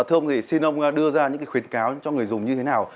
thưa ông thì xin ông đưa ra những khuyến cáo cho người dùng như thế nào